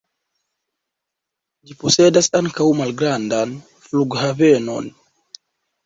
Ĝi posedas ankaŭ malgrandan flughavenon.